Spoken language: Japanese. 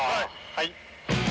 はい。